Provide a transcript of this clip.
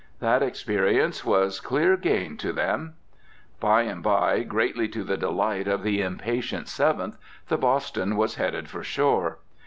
That experience was clear gain to them. By and by, greatly to the delight of the impatient Seventh, the Boston was headed for shore.